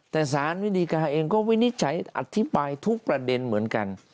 แต่สารวิดีกาเองก็วินิจฉัยอธิบายทุกประเด็นเหมือนกัน